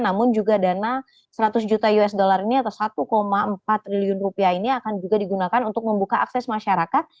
namun juga dana seratus juta usd ini atau satu empat triliun rupiah ini akan dikubahkan untuk pemerintah indonesia